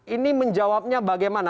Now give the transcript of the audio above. ini menjawabnya bagaimana